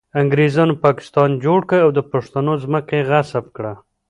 انګریزانو پاکستان جوړ کړ او د پښتنو ځمکه یې غصب کړه